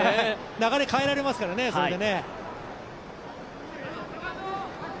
流れ、変えられますからねそれで。